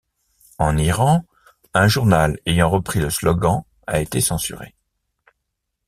En Iran, un journal ayant repris le slogan a été censuré.